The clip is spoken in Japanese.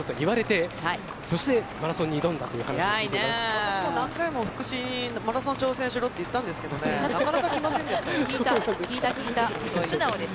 私も何回も福士にマラソン調整しろって言ったんですけどなかなか来ませんでしたよ。